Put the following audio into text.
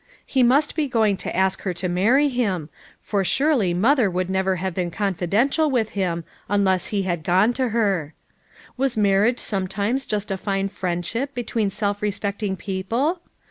He must be going to ask her to marry him, for surely mother would never have been confidential with him unless he had gone to her. Was marriage sometimes just a fine friendship between self respecting people?